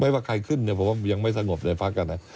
ว่าใครขึ้นผมว่ายังไม่สงบในภักดิ์แบบนั้น